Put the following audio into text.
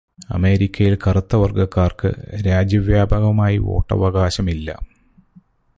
അമേരിക്കയില് കറുത്തവര്ഗക്കാര്ക്ക് രാജ്യവ്യാപകമായി വോട്ടവകാശമില്ല.